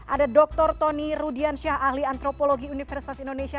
ada dr tony rudiansyah ahli antropologi universitas indonesia